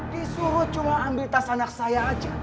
disuruh cuma ambil tas anak saya aja